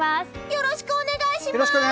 よろしくお願いします！